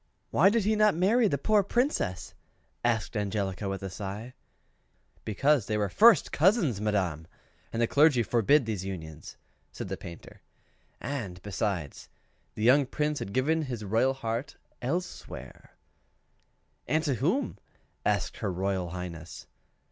"Why did he not marry the poor Princess?" asked Angelica, with a sigh. "Because they were first cousins, madam, and the clergy forbids these unions," said the Painter. "And, besides, the young Prince had given his royal heart elsewhere." "And to whom?" asked her Royal Highness.